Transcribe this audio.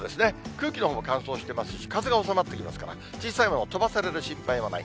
空気のほうも乾燥してますし、風が収まってきますから、小さい物が飛ばされる心配もない。